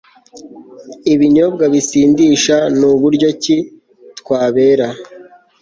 Ibinyobwa bisindisha Ni buryo ki twabera